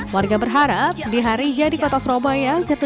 warga berharap di hari jadi kota surabaya